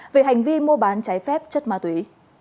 về hành vi mua bán trái phép chất ma túy